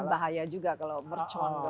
dan bahaya juga kalau mercon